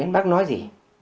bác nói gì